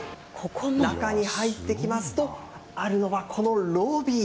中に入ってきますと、あるのはこのロビー。